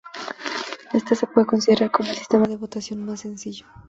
Éste se puede considerar como el sistema de votación más sencillo.